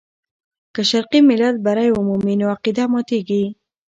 که شرقي ملت بری ومومي، نو عقیده ماتېږي.